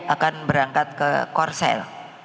akan berangkat ke korsel